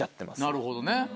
なるほどね。